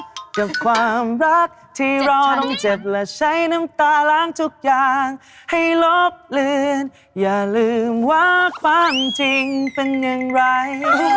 กับความรักที่รอน้องเจ็บและใช้น้ำตาล้างทุกอย่างให้ลบเลือนอย่าลืมว่าความจริงเป็นอย่างไร